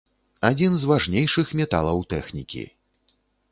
Адзін з важнейшых металаў тэхнікі.